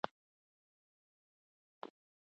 خلک به یې قبر ته درناوی کوي.